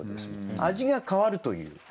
味が変わるという。